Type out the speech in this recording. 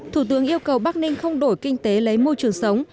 thủ tướng yêu cầu bắc ninh không đổi kinh tế lấy môi trường sống